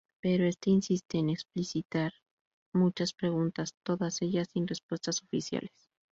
Pero este insiste en explicitar muchas preguntas, todas ellas sin respuestas oficiales.